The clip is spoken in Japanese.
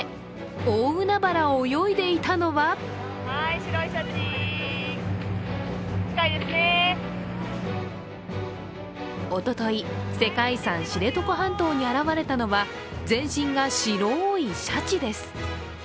大海原を泳いでいたのはおととい、世界遺産・知床半島に現れたのは全身が白いシャチです。